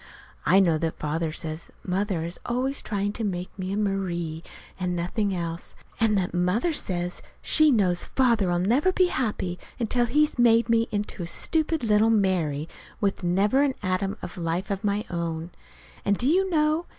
I know that Father says that Mother is always trying to make me a "Marie," and nothing else; and that Mother says she knows Father'll never be happy until he's made me into a stupid little "Mary," with never an atom of life of my own. And, do you know?